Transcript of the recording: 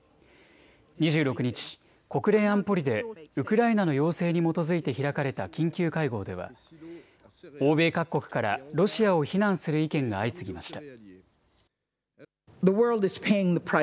２６日、国連安保理でウクライナの要請に基づいて開かれた緊急会合では欧米各国からロシアを非難する意見が相次ぎました。